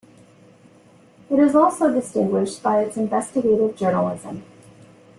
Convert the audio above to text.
It is also distinguished by its investigative journalism.